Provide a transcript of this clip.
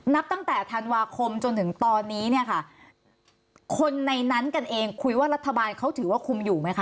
นับตั้งแต่ธันวาคมจนถึงตอนนี้เนี่ยค่ะคนในนั้นกันเองคุยว่ารัฐบาลเขาถือว่าคุมอยู่ไหมคะ